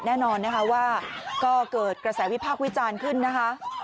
แน่นอนนะคะว่าก็เกิดกระแสวิพากษ์วิจารณ์ขึ้นนะคะ